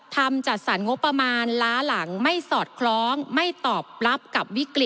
จัดสรรงบประมาณล้าหลังไม่สอดคล้องไม่ตอบรับกับวิกฤต